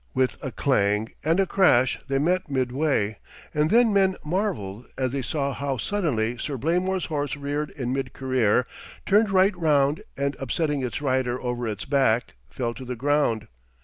With a clang and a crash they met midway, and then men marvelled as they saw how suddenly Sir Blamor's horse reared in mid career, turned right round, and upsetting its rider over its back, fell to the ground.